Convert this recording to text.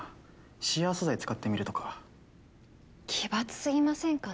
シアー素材使ってみるとか奇抜すぎませんかね？